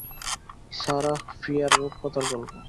Sarah Fear রুপকথার গল্প।